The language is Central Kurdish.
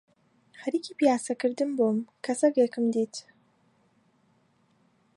خەریکی پیاسە کردن بووم کە سەگێکم دیت